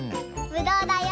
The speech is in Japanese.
ぶどうだよ！